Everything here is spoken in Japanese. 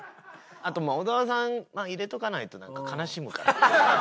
あと小沢さん入れとかないとなんか悲しむから。